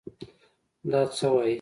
دا څه وايې.